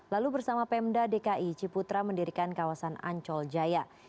lalu bersama pemda dki ciputra mendirikan kawasan ancol jaya